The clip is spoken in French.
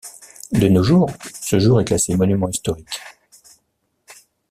De nos jours, ce jour est classé monument historique.